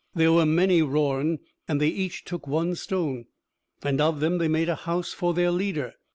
"There were many Rorn, and they each took one stone. And of them, they made a house for their leader."